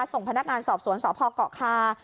ส่งพนักงานสอบสวนสพเกาะคา